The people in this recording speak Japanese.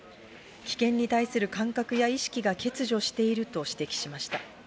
危険に対する感覚や意識が欠如していると指摘しました。